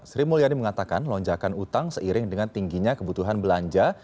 sri mulyani mengatakan lonjakan utang seiring dengan tingginya kebutuhan belanja